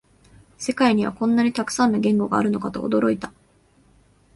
世界にはこんなにたくさんの言語があるのかと驚いた